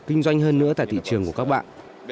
kinh doanh hơn nữa tại thị trường của các bạn